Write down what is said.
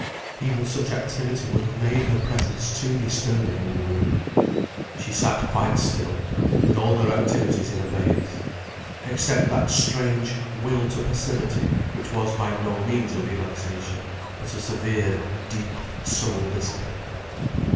Even such activity would have made her presence too disturbing in the room. She sat quite still, with all her activities in abeyance—except that strange will to passivity which was by no means a relaxation, but a severe, deep, soul discipline.